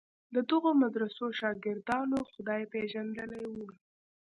د دغو مدرسو شاګردانو خدای پېژندلی و.